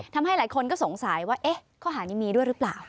ทำให้หลายคนก็สงสัยว่าเอ๊ะข้อหานี้มีด้วยหรือเปล่า